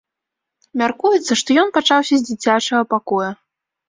Мяркуецца, што ён пачаўся з дзіцячага пакоя.